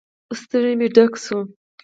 ستونى مې ډک سو.